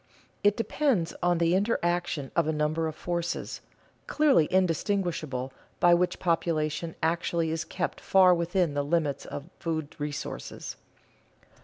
It depends on the interaction of a number of forces, clearly distinguishable, by which population actually is kept far within the limits of food resources.